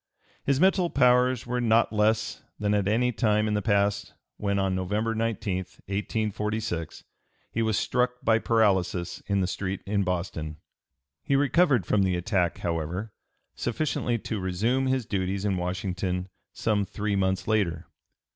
His mental powers were not less than at any time in the past when, (p. 307) on November 19, 1846, he was struck by paralysis in the street in Boston. He recovered from the attack, however, sufficiently to resume his duties in Washington some three months later.